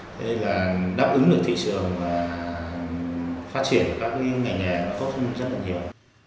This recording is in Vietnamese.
thế là đáp ứng được thị trường và phát triển các cái ngành nghề có rất là nhiều